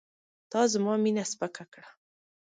تا زما مینه سپکه کړه.